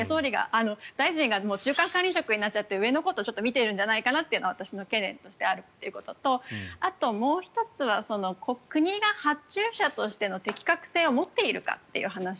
大臣が中間管理職になっちゃって上のことを見ているんじゃないかなというのは私の懸念としてあるということとあと、もう１つは国が発注者としての適格性を持っているかという話。